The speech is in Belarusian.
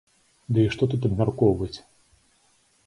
Ды і што тут абмяркоўваць?